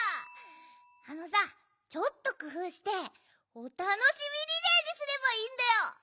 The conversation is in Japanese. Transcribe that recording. あのさちょっとくふうしておたのしみリレーにすればいいんだよ！